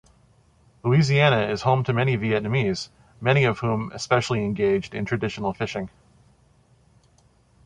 Louisiana is home to many Vietnamese, many of whom especially engaged in traditional fishing.